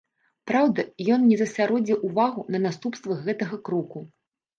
Праўда, ён не засяродзіў увагу на наступствах гэтага кроку.